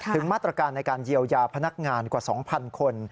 มาตรการในการเยียวยาพนักงานกว่า๒๐๐คน